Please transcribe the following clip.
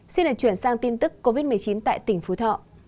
xin được chuyển sang tin tức covid một mươi chín tại tỉnh phú thọ